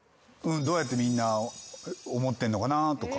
どうやってみんな思ってんのかなとか。